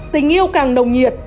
tình yêu càng nồng nhiệt